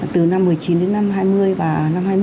từ năm một mươi chín đến năm hai mươi và năm hai mươi một